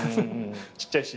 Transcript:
ちっちゃいし。